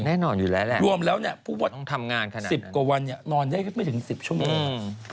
แน่นอนอยู่แล้วแหละรวมแล้วเนี่ยผู้บท๑๐กว่าวันเนี่ยนอนได้ก็ไม่ถึง๑๐ชั่วโมง